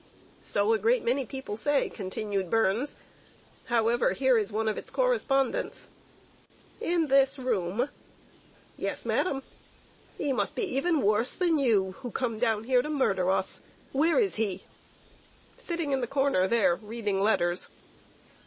"So a great many people say," continued Burns. "However, here is one of its correspondents." "In this room?" "Yes, madam." "He must be even worse than you, who come down here to murder us! Where is he?" "Sitting in the corner there, reading letters."